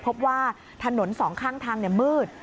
พบว่าถนนสองข้างทางมืด